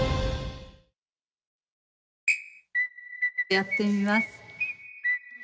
やってみます